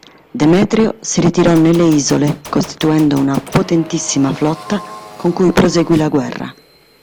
Demetrio si ritirò nelle isole costituendo una potentissima flotta con cui proseguì la guerra.